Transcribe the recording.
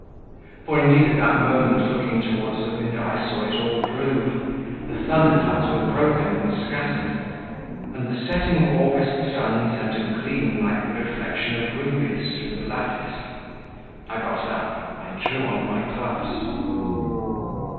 For indeed, at that moment, looking towards the window, I saw it all blue; the thunder clouds were broken and scattered, and the setting August sun sent a gleam like the reflection of rubies through the lattice. I got up; I drew on my gloves.